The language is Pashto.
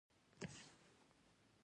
زه یو روباټ یم نه انسان